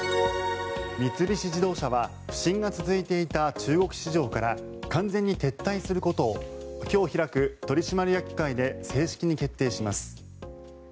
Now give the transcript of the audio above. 三菱自動車は不振が続いていた中国市場から完全に撤退することを今日開く取締役会で正式に決定します。